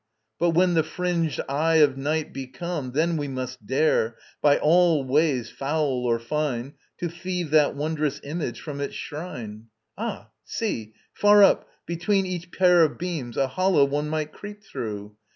But when the fringed eye of Night be come Then we must dare, by all ways foul or fine, To thieve that wondrous Image from its shrine. Ah, see; far up, between each pair of beams A hollow one might creep through!